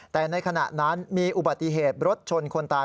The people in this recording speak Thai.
แต่ในขณะนั้นมีอุบัติเหตุรถชนคนตาย